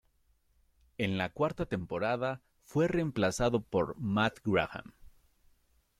En la cuarta temporada fue reemplazado por Matt Graham